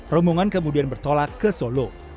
rombongan kemudian bertolak ke solo